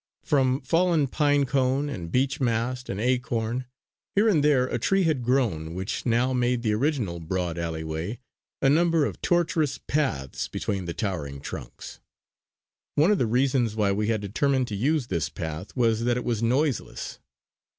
From fallen pine cone, and beech mast, and acorn, here and there a tree had grown which now made of the original broad alleyway a number of tortuous paths between the towering trunks. One of the reasons why we had determined to use this path was that it was noiseless.